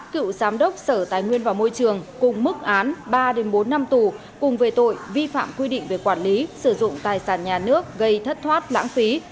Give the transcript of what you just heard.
cựu giám đốc sở tài nguyên và môi trường cùng mức án ba bốn năm tù cùng về tội vi phạm quy định về quản lý sử dụng tài sản nhà nước gây thất thoát lãng phí